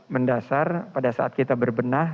mendasar pada saat kita berbenah